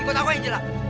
ikut aku angela